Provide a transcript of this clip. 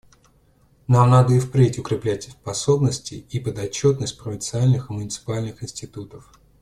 Нам надо и впредь укреплять способности и подотчетность провинциальных и муниципальных институтов.